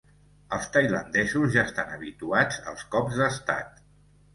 Els tailandesos ja estan habituats als cops d'Estat.